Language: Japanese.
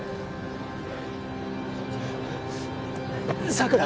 佐倉！